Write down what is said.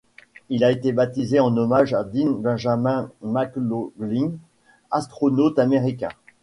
Il a été baptisé en hommage à Dean Benjamin McLaughlin, astronome américain.